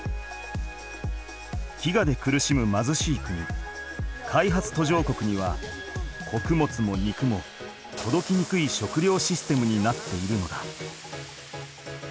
飢餓で苦しむまずしい国開発途上国にはこくもつも肉もとどきにくい食料システムになっているのだ。